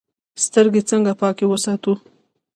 سترګې څنګه پاکې وساتو؟